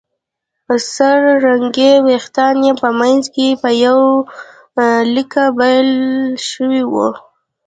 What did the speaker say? سره رنګي وېښتان یې په منځ کې په يوه ليکه بېل شوي وو